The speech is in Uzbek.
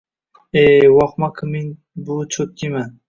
ee vohma kimen buvi chotkiman..